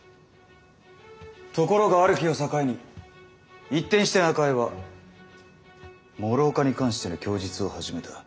ところがある日を境に一転して中江は諸岡に関しての供述を始めた。